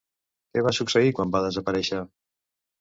Què va succeir quan va desaparèixer?